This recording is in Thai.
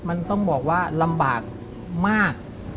มันต้องบอกว่าลำบากมาก